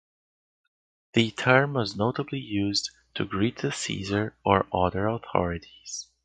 The term was notably used to greet the Caesar or other authorities.